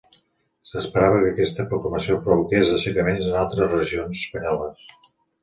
S'esperava que aquesta proclamació provoqués aixecaments en altres regions espanyoles.